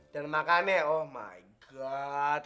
dan makannya oh my god